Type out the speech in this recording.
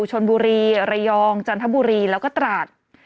ชนบุรีระยองจันทบุรีแล้วก็ตราด